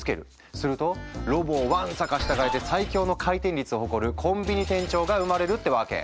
するとロボをわんさか従えて最強の回転率を誇るコンビニ店長が生まれるってわけ。